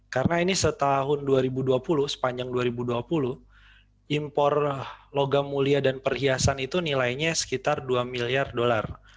karena ini setahun dua ribu dua puluh sepanjang dua ribu dua puluh impor logam mulia dan perhiasan itu nilainya sekitar dua miliar dolar